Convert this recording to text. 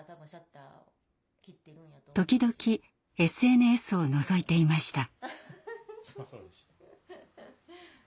時々ＳＮＳをのぞいていました。